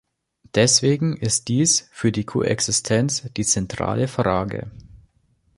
Deswegen ist dies für die Koexistenz die zentrale Frage.